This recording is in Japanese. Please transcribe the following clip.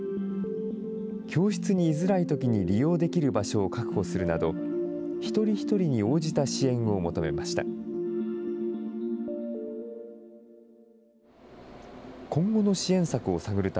教室に居づらいときに利用できる場所を確保するなど、一人一人に応じた支援を求めました。